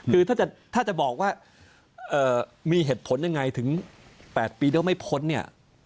คือถ้าจะบอกว่ามีเหตุผลยังไงถึง๘ปีแล้วไม่พ้นเนี่ย